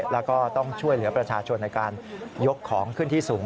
แล้วก็ต้องช่วยเหลือประชาชนในการยกของขึ้นที่สูง